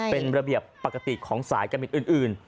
เป็นระเบียบปกติของสายการบินอื่น